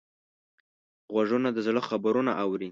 غوږونه د زړه خبرونه اوري